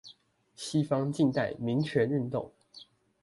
西方近代民權運動